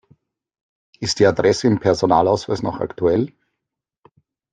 Ist die Adresse im Personalausweis noch aktuell?